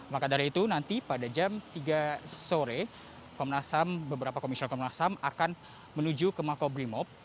maka dari itu nanti pada jam tiga sore beberapa komisioner komnas ham akan menuju ke makobrimob